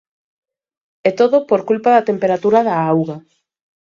E todo por culpa da temperatura da auga.